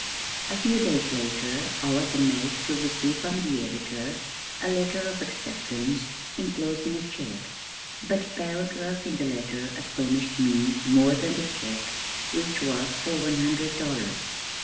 A few days later I was amazed to receive from the editor a letter of acceptance enclosing a check, but a paragraph in the letter astonished me more than the check which was for one hundred dollars.